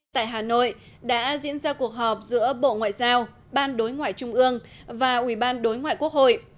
tại hà nội đã diễn ra cuộc họp giữa bộ ngoại giao ban đối ngoại trung ương và ủy ban đối ngoại quốc hội